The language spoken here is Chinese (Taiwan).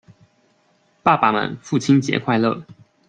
爸爸們父親節快樂！